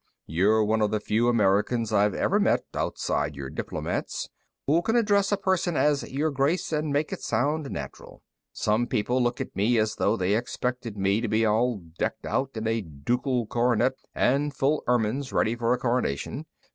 You're one of the few Americans I've ever met, outside your diplomats, who can address a person as 'Your Grace' and make it sound natural. Some people look at me as though they expected me to be all decked out in a ducal coronet and full ermines, ready for a Coronation.